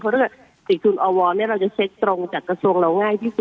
เพราะถ้าเกิดติดทุนอวเราจะเช็คตรงจากกระทรวงเราง่ายที่สุด